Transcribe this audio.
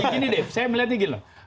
gini deh saya melihatnya gini loh